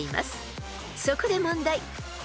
［そこで問題］